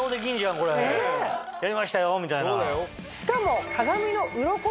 しかも。